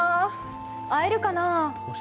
会えるかな？